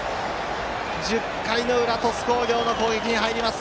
１０回の裏鳥栖工業の攻撃に入ります。